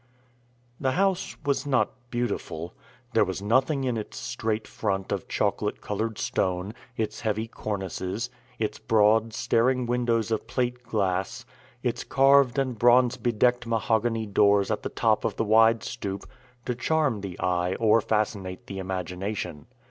The house was not beautiful. There was nothing in its straight front of chocolate colored stone, its heavy cornices, its broad, staring windows of plate glass, its carved and bronze bedecked mahogany doors at the top of the wide stoop, to charm the eye or fascinate the imagination.